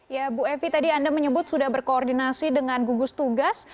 ya bu evi tadi anda menyebut sudah berkoordinasi dengan gugus tugas